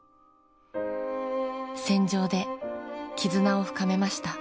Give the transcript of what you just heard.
戦場で絆を深めました。